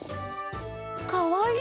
かわいい。